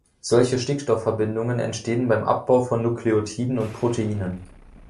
Solche Stickstoffverbindungen entstehen beim Abbau von Nukleotiden und Proteinen.